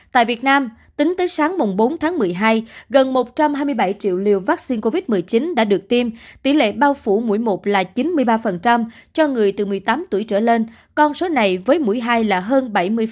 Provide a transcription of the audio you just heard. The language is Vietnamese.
tại việt nam tính tới sáng bốn tháng một mươi hai gần một trăm hai mươi bảy triệu liều vaccine covid một mươi chín đã được tiêm tỷ lệ bao phủ mũi một là chín mươi ba cho người từ một mươi tám tuổi trở lên con số này với mũi hai là hơn bảy mươi